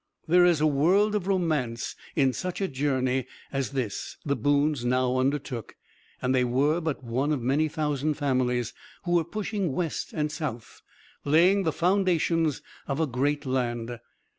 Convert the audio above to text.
There is a world of romance in such a journey as this the Boones now undertook, and they were but one of many thousand families who were pushing west and south, laying the foundations of a great land.